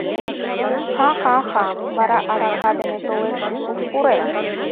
Ха-ха-ха, вара арака дене толеш гын, куш пурет?